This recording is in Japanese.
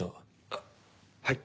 あっはい。